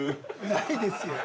◆ないですよ。